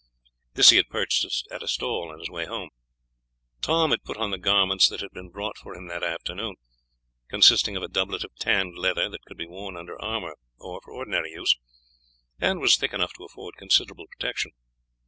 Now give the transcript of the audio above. This he had purchased at a stall on his way home. Tom had put on the garments that had been bought for him that afternoon, consisting of a doublet of tanned leather that could be worn under armour or for ordinary use, and was thick enough to afford considerable protection.